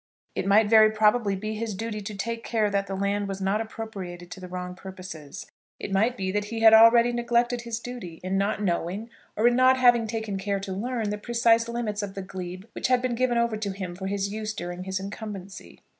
It might very probably be his duty to take care that the land was not appropriated to wrong purposes. It might be that he had already neglected his duty, in not knowing, or in not having taken care to learn the precise limits of the glebe which had been given over to him for his use during his incumbency.